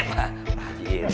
gak ada yang ngerasain